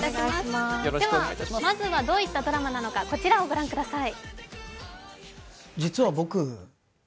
まずはどういったドラマなのか、こちらをご覧ください。